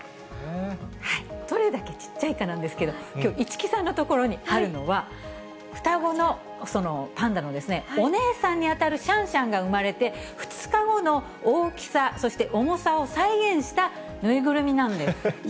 どれだけちっちゃいかなんですけど、きょう、市來さんの所にあるのは、双子のパンダのお姉さんに当たるシャンシャンが産まれて２日後の大きさ、そして重さを再現した縫いぐるみなんです。